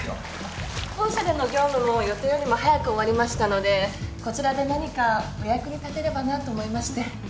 本社での業務も予定よりも早く終わりましたのでこちらで何かお役に立てればなと思いまして。